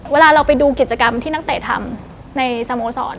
เวลาเราไปดูกิจกรรมที่นักเตะทำในสโมสร